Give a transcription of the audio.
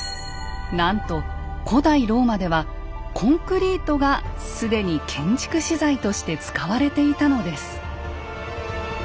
なんと古代ローマではコンクリートが既に建築資材として使われていたのです。